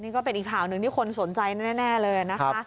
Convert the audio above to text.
นี่ก็เป็นอีกข่าวหนึ่งที่คนสนใจแน่เลยนะคะ